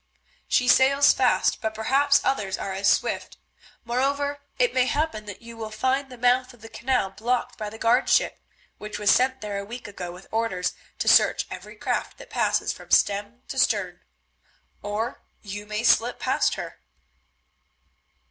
"She sails fast, but perhaps others are as swift. Moreover, it may happen that you will find the mouth of the canal blocked by the guardship, which was sent there a week ago with orders to search every craft that passes from stem to stern. Or—you may slip past her."